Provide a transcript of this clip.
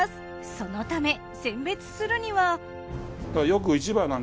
そのため選別するには。